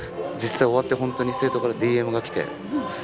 実際終わってホントに生徒からＤＭが来て。